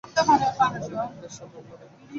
আমি জিজ্ঞাসা করলুম, একি পঞ্চু?